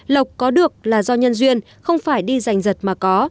lộc có được là do nhân duyên không phải đi giành giật mà có